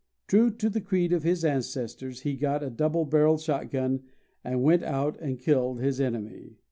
True to the creed of his ancestors, he got a double barrelled shotgun and went out and killed his enemy.